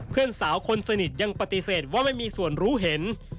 เพื่อนสาวคนสนิทยังปฏิเสธว่าไม่มีส่วนรู้เห็น